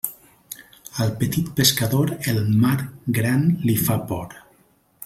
Al petit pescador, el mar gran li fa por.